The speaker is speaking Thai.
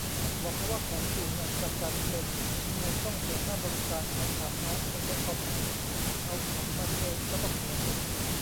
บอกเขาว่าของอยู่ในประกันเต็ม ทำไมต้องเสียค่าบริการ เขาถาม น้องเคยใช้คอมไหม เอาของมาเคลมก็ต้องเสียสิ